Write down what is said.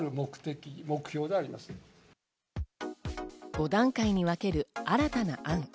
５段階に分ける新たな案。